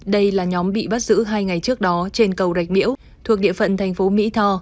đây là nhóm bị bắt giữ hai ngày trước đó trên cầu rạch miễu thuộc địa phận thành phố mỹ tho